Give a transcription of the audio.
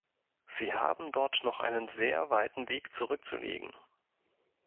Sie haben dort noch einen sehr weiten Weg zurückzulegen.